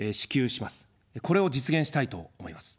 これを実現したいと思います。